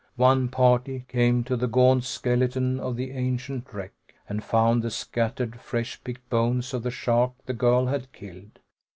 One party came to the gaunt skeleton of the ancient wreck, and found the scattered, fresh picked bones of the shark the girl had killed.